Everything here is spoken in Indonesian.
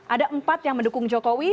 ada empat yang mendukung jokowi